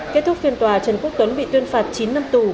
kết thúc phiên tòa trần quốc tuấn bị tuyên phạt chín năm tù